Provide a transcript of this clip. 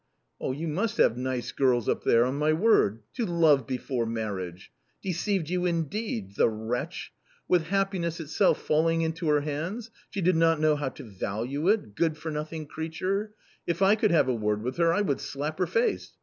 " You must have nice girls up there, on my word ; to love before marriage ! Deceived you indeed ! the wretch ! With happiness itself falling into her hands, she did not know how to value it, good for nothing creature ! If I could get a word with her, I would slap her face